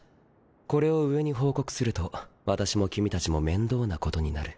これを上に報告すると私も君たちも面倒なことになる。